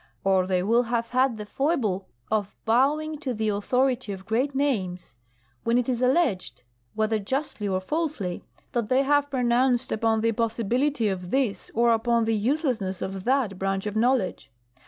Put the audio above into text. Or they will have had the foible of bowing to the author ity of great names, when it is alleged (whether justly or falsely) that they have pronounced upon the impossibility of this or upon the use lessness of that branch of knowledge.